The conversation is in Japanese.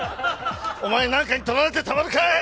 お前なんかに取られてたまるか！